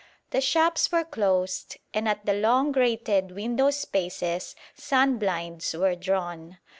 The shops were closed; and at the long grated window spaces sunblinds were drawn.